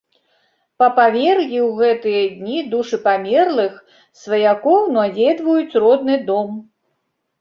Па павер'і ў гэтыя дні душы памерлых сваякоў наведваюць родны дом.